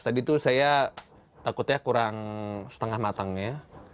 tadi tuh saya takutnya kurang setengah matangnya